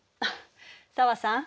紗和さん。